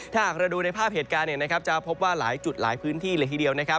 ถ้าหากเราดูในภาพเหตุการณ์จะพบว่าหลายจุดหลายพื้นที่เลยทีเดียว